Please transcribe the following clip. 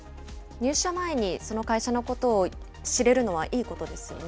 入社前にその会社のことを知れるのはいいことですよね。